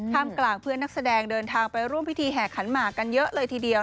กลางเพื่อนนักแสดงเดินทางไปร่วมพิธีแห่ขันหมากกันเยอะเลยทีเดียว